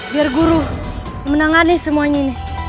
biar guru menangani semuanya